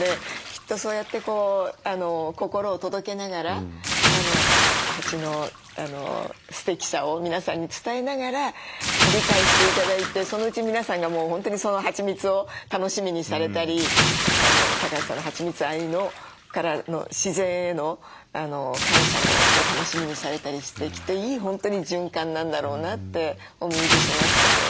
きっとそうやって心を届けながら蜂のすてきさを皆さんに伝えながら理解して頂いてそのうち皆さんがもう本当にそのはちみつを楽しみにされたり橋さんのはちみつ愛からの自然への感謝も楽しみにされたりしてきっといい本当に循環なんだろうなってお見受けしましたね。